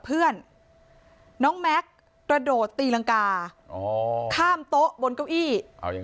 เพื่อนน้องแม็คระโดดตีลังกาอ๋อข้ามโต๊ะบนเก้าอี้เอาอย่าง